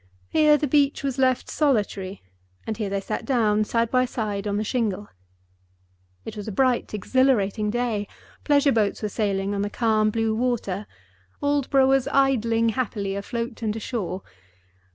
Here the beach was left solitary, and here they sat down, side by side, on the shingle. It was a bright, exhilarating day; pleasure boats were sailing on the calm blue water; Aldborough was idling happily afloat and ashore.